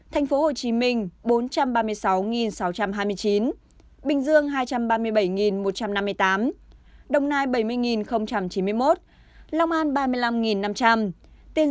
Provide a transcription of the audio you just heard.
thành phố hồ chí minh bốn trăm ba mươi sáu sáu trăm hai mươi chín bình dương hai trăm ba mươi bảy một trăm năm mươi tám đồng nai bảy mươi chín mươi một lòng an ba mươi năm năm trăm linh tiên giang một mươi bảy sáu trăm bốn mươi hai